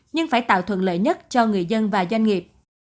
nhưng phải tạo thuận lợi nhất cho người dân và doanh nghiệp